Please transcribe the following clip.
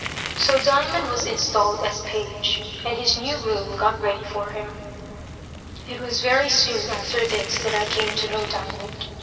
So Diamond was installed as page, and his new room got ready for him. It was very soon after this that I came to know Diamond.